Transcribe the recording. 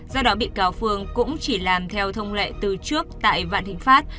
do đó bị cáo phương cũng chỉ làm theo thông lệ từ trước tại vạn thịnh pháp